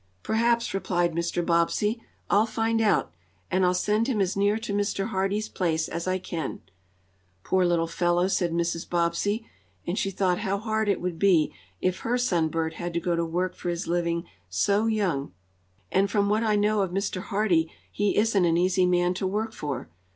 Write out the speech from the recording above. "Perhaps," replied Mr. Bobbsey. "I'll find out, and I'll send him as near to Mr. Hardee's place as I can." "Poor little fellow," said Mrs. Bobbsey, and she thought how hard it would be if her son Bert had to go to work for his living so young. "He seems like a nice boy," spoke Mr. Bobbsey, "and from what I know of Mr. Hardee he isn't an easy man to work for.